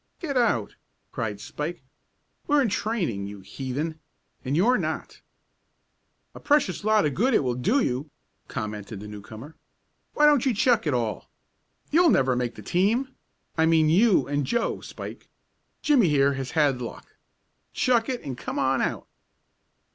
"Get out!" cried Spike. "We're in training, you heathen, and you're not." "A precious lot of good it will do you," commented the newcomer. "Why don't you chuck it all? You'll never make the team I mean you and Joe, Spike. Jimmie here has had luck. Chuck it and come on out."